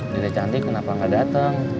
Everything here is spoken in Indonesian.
dede cantik kenapa gak dateng